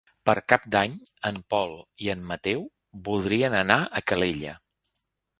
Per Cap d'Any en Pol i en Mateu voldrien anar a Calella.